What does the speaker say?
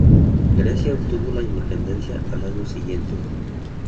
Grecia obtuvo la independencia al año siguiente.